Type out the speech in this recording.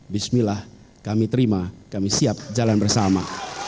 bismillah kami terima kami siap jalan bersama